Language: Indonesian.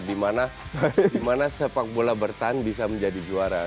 dimana sepak bola bertahan bisa menjadi juara